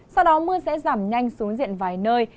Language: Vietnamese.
sau đó mưa sẽ giảm nhanh xuống diện vài nơi